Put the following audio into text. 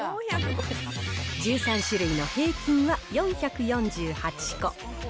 １３種類の平均は４４８個。